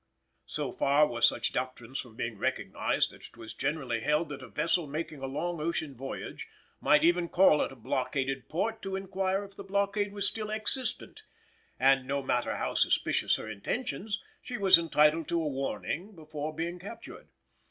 So far were such doctrines from being recognised, that it was generally held that a vessel making a long ocean voyage might even call at a blockaded port to inquire if the blockade was still existent, and, no matter how suspicious her intentions, she was entitled to a warning before being captured.